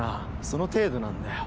その程度なんだよ